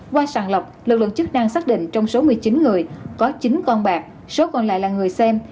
qua sàng lọc lực lượng chức năng xác định trong số một mươi chín người có chín con bạc số còn lại là người xem